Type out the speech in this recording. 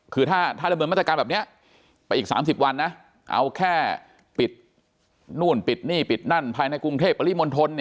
คือถ้าดำเนินมาตรการแบบนี้ไปอีก๓๐วันนะเอาแค่ปิดนู่นปิดนี่ปิดนั่นภายในกรุงเทพปริมณฑล